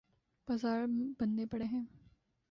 بازار مندے پڑے ہیں۔